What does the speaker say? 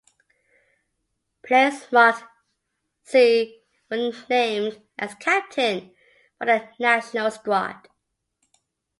Players marked (c) were named as captain for their national squad.